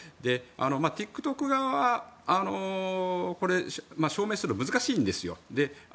ＴｉｋＴｏｋ側は証明するのは難しいんですよ。